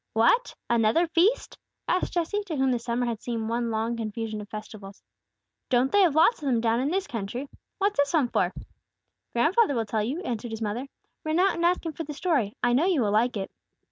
"What! another feast?" asked Jesse, to whom the summer had seemed one long confusion of festivals. "Don't they have lots of them down in this country! What's this one for?" "Grandfather will tell you," answered his mother. "Run out and ask him for the story. I know you will like it."